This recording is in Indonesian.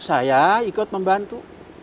saya ikut membantu